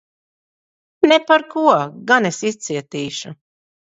Ne par ko! Gan es izcietīšu.